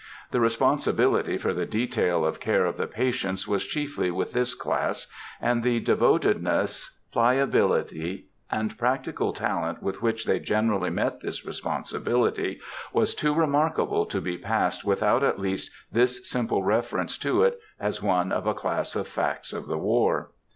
The responsibility for the detail of care of the patients was chiefly with this class, and the devotedness, pliability, and practical talent with which they generally met this responsibility was too remarkable to be passed without at least this simple reference to it as one of a class of facts of the war.